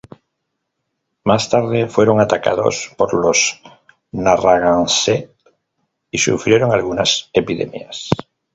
Más tarde fueron atacados por los narragansett y sufrieron algunas epidemias.